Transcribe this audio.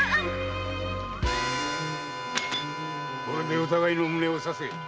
これでお互いの胸を刺せ。